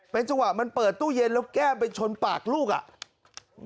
เป็นจังหวะมันเปิดตู้เย็นแล้วแก้มไปชนปากลูกอ่ะ